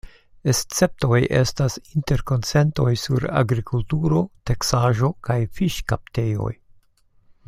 Esceptoj estas interkonsentoj sur agrikulturo, teksaĵo kaj fiŝkaptejoj.